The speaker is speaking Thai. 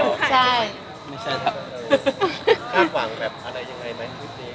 คาดหวังอะไรยังไยของคลิปนี้